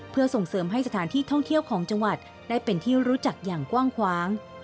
เพื่อส่งเสริมให้สถานที่ท่องเที่ยวของจังหวัดได้เป็นที่รู้จักอย่างกว้างขวาง